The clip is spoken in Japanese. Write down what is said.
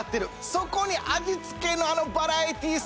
そこに味付けのあのバラエティーさ。